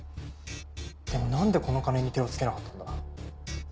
でもなんでこの金に手をつけなかったんだ？